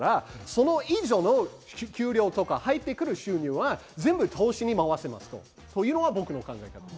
それ以上の給料とか、入ってくる収入は全部投資に回しましょうというのが僕の考え。